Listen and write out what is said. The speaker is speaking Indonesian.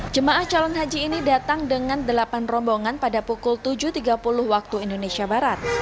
jemaah calon haji ini datang dengan delapan rombongan pada pukul tujuh tiga puluh waktu indonesia barat